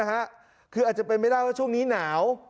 คืออาจจะเป็นไม่ได้ว่าช่วงนี้หนาว